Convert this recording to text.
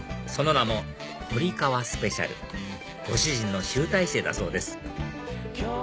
その名もほり川スペシャルご主人の集大成だそうです